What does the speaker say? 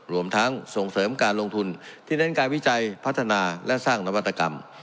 รวมทั้งส่งเสริมการลงทุนที่เน้นการวิจัยพัฒนาและสร้างนวัตกรรม